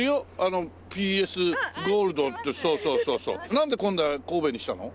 なんで今度は神戸にしたの？